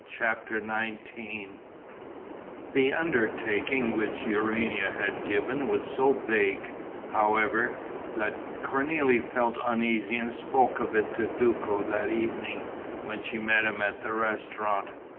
CHAPTER XIX The undertaking which Urania had given was so vague, however, that Cornélie felt uneasy and spoke of it to Duco that evening, when she met him at the restaurant.